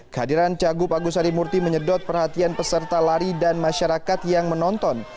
kehadiran cagup agus harimurti menyedot perhatian peserta lari dan masyarakat yang menonton